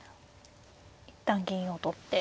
一旦銀を取って。